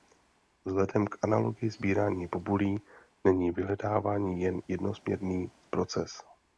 Vzhledem k analogii sbírání bobulí není vyhledávání jen jednosměrný proces.